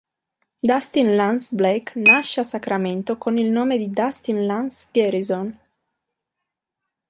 Dustin Lance Black nasce a Sacramento con il nome di Dustin Lance Garrison.